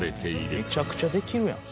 めちゃくちゃできるやん。